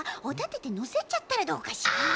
おだててのせちゃったらどうかしら？